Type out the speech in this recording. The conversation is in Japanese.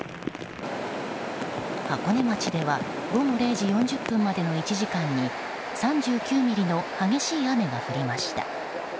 箱根町では午後０時４０分までの１時間に３９ミリの激しい雨が降りました。